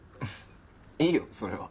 いいよそれは。